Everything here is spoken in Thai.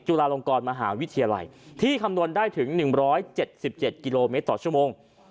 จุฬาลงกรมหาวิทยาลัยที่คำนวณได้ถึง๑๗๗กิโลเมตรต่อชั่วโมง